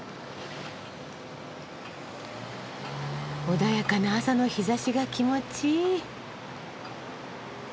穏やかな朝の日ざしが気持ちいい。